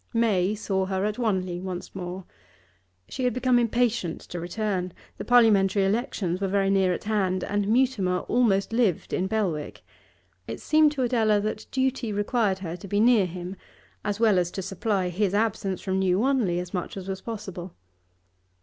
May saw her at Wanley once more. She had become impatient to return. The Parliamentary elections were very near at hand, and Mutimer almost lived in Belwick; it seemed to Adela that duty required her to be near him, as well as to supply his absence from New Wanley as much as was possible.